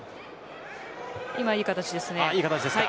今はいい形です。